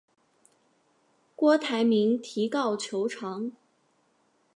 郭台铭提告求偿。